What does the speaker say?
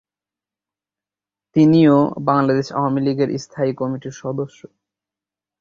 তিনি ও বাংলাদেশ আওয়ামীলীগের স্থায়ী কমিটির সদস্য।